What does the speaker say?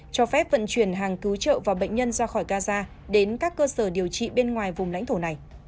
cho phép vận chuyển hàng cứu trợ và bệnh nhân ra khỏi gaza đến các cơ sở điều trị bên ngoài vùng lãnh thổ này